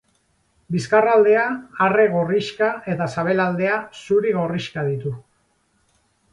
Bizkarraldea arre gorrixka eta sabelaldea zuri gorrixka ditu.